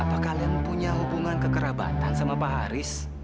apakah kalian punya hubungan kekerabatan sama pak haris